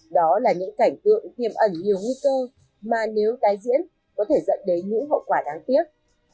đó là những cảnh tượng tiềm ẩn nhiều nguy cơ mà nếu tái diễn có thể dẫn đến những hậu quả đáng tiếc